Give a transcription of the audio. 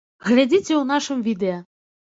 Глядзіце ў нашым відэа.